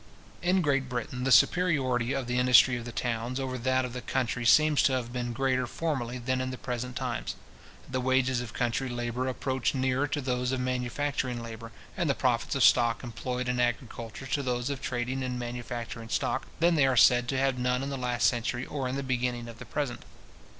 In Great Britain, the superiority of the industry of the towns over that of the country seems to have been greater formerly than in the present times. The wages of country labour approach nearer to those of manufacturing labour, and the profits of stock employed in agriculture to those of trading and manufacturing stock, than they are said to have done in the last century, or in the beginning of the present.